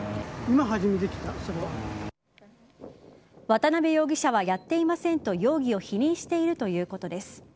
渡部容疑者はやっていませんと容疑を否認しているということです。